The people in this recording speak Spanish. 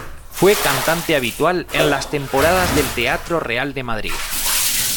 Fue cantante habitual en las temporadas del Teatro Real de Madrid.